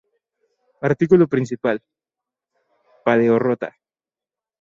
Artículo principal: Paleorrota.